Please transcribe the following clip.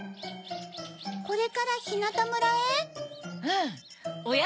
これからひなたむらへ？